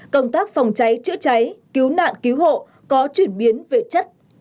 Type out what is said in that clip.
công tác phòng cháy chữa cháy cứu nạn cứu hộ có chuyển biến về chất